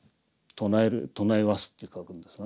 「唱え和す」って書くんですがね